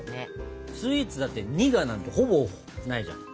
スイーツだって「苦」なんてほぼないじゃん。